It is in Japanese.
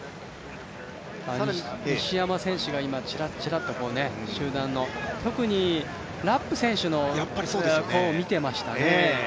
西山選手がちらちらと集団の、特にラップ選手を見ていましたね。